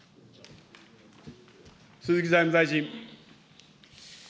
鈴木財務大臣。